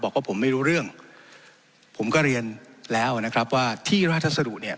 บอกว่าผมไม่รู้เรื่องผมก็เรียนแล้วนะครับว่าที่ราชสดุเนี่ย